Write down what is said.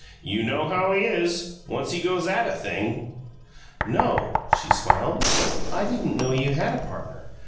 You know how he is once he goes AT a thing!" "No," she smiled. "I didn't know you had a partner.